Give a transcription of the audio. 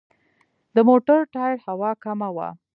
د موټر ټایر هوا کمه وه.